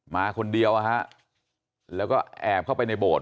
มาคนเดียวแล้วก็แอบเข้าไปในโบสถ